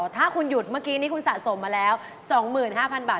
ถ้าคุณหยุดเมื่อกี้นี่คุณสะสมมาแล้ว๒๕๐๐บาท